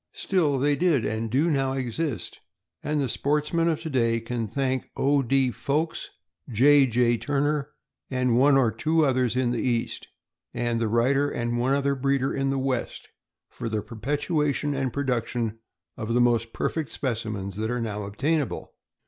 Still they did, and do now exist, and the sportsmen of to day can thank O. D. Foulks, J. J. Turner, and one or two others in the East, and the writer and one other breeder in the West, for the perpetuation and produc tion of the most perfect specimens that are now obtainable.